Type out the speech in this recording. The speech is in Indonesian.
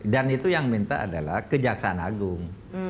dan itu yang minta adalah kejaksaan agung